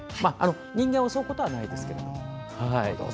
人間を襲うことはないですけど。